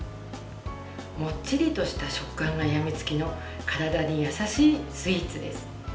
もっちりとした食感がやみつきの体に優しいスイーツです。